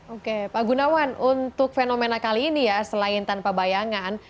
oke pak gunawan untuk fenomena kali ini ya selain tanpa bayangan